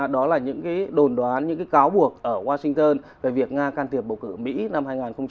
đó là những cái đồn đoán những cái cáo buộc ở washington về việc nga can tiệp bầu cử mỹ năm hai nghìn một mươi sáu